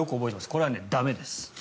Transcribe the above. これは駄目です。